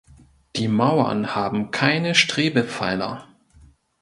Die Mauern haben keine Strebepfeiler.